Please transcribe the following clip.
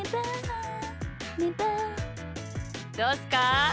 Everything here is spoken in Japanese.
どうっすか？